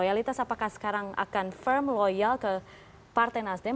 apakah kita sekarang akan firm loyal ke partai nasdem